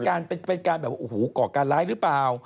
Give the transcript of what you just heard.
มันเป็นการก่อการร้ายหรือเปล่า